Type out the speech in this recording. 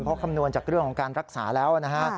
เพราะคำนวณจากเรื่องของการรักษาแล้วนะฮะ